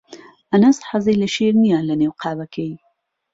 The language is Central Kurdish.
ئەنەس حەزی لە شیر نییە لەنێو قاوەکەی.